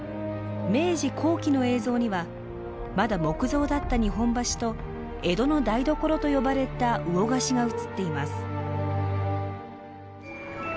明治後期の映像にはまだ木造だった日本橋と江戸の台所と呼ばれた魚河岸が映っています。